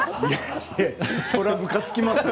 それは、むかつきますよ。